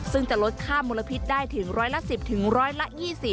ซึ่งจะลดค่ามลพิษได้ถึงร้อยละ๑๐ถึงร้อยละ๒๐